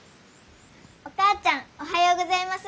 お母ちゃんおはようございます。